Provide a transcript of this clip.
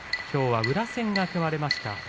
きょうは宇良戦が組まれました。